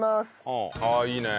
ああいいね。